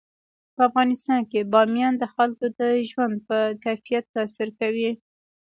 په افغانستان کې بامیان د خلکو د ژوند په کیفیت تاثیر کوي.